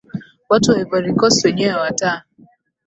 watu wa ivory coast wenyewe wataa